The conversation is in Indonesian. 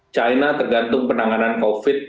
china tergantung penanganan covid